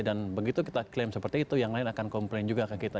dan begitu kita klaim seperti itu yang lain akan komplain juga ke kita